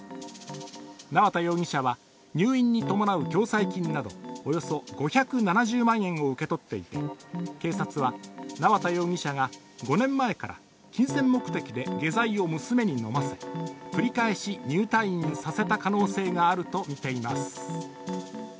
縄田容疑者は、入院に伴う共済金などおよそ５７０万円を受け取っていて警察は縄田容疑者が５年前から金銭目的で下剤を娘に飲ませ繰り返し入退院させた可能性があるとみています。